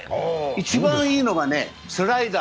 一番いいのがスライダー。